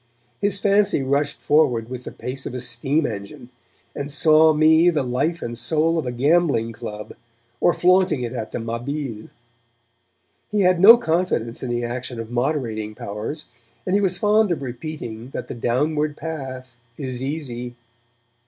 His fancy rushed forward with the pace of a steam engine, and saw me the life and soul of a gambling club, or flaunting it at the Mabille. He had no confidence in the action of moderating powers, and he was fond of repeating that the downward path is easy.